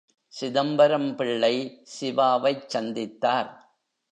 சிதம்பரம் பிள்ளை சிவாவைச் சந்தித்தார்.